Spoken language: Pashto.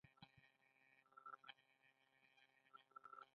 خوشحالي راوړو.